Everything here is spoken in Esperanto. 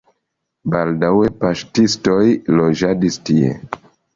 Baldaŭe paŝtistoj loĝadis tie.